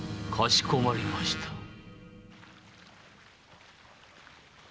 かしこまりました。